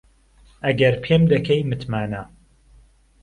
ئهگهر پێم دهکەی متمانه